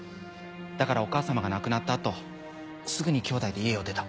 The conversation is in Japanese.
だからお母様が亡くなった後すぐに兄妹で家を出た。